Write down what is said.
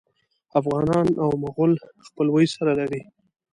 افغانان او مغول خپلوي سره لري.